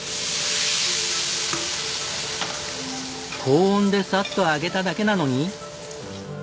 高温でサッと揚げただけなのに。